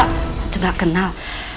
aku gak kenal